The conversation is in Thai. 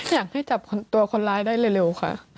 อยากให้จับตัวคนร้ายได้เร็วค่ะ